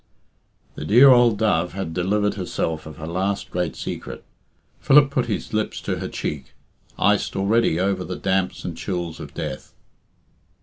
_" The dear old dove had delivered herself of her last great secret. Philip put his lips to her cheek, iced already over the damps and chills of death.